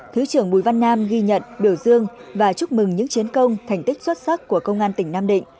thứ trưởng bùi văn nam ghi nhận biểu dương và chúc mừng những chiến công thành tích xuất sắc của công an tỉnh nam định